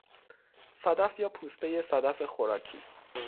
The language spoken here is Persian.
صدف یا پوستهی صدف خوراکی